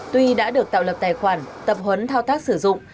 tuy đã được tạo lập tài khoản tập huấn thao tác sử dụng